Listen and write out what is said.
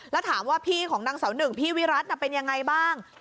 แล้วถามว่าพี่ของนางเสาหนึ่งพี่วิรัติเป็นยังไงบ้าง